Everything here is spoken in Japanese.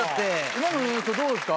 今の演奏どうですか？